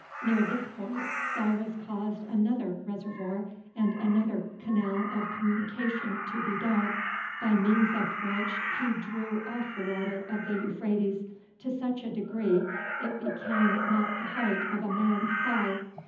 Near this point Cyrus caused another reservoir and another canal of communication to be dug, by means of which he drew off the water of the Euphrates to such a degree it became not above the height of a man's thigh.